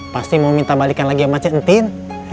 pasti mau minta balikan lagi sama cen tin